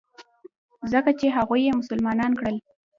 ځکه چې هغوى يې مسلمانان کړل.